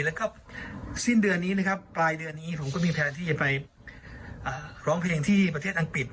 แล้วก็สิ้นเดือนนี้นะครับปลายเดือนนี้ผมก็มีแพลนที่จะไปร้องเพลงที่ประเทศอังกฤษ